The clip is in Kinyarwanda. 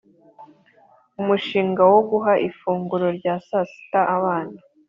Umushinga wo guha ifunguro rya saa sita abana.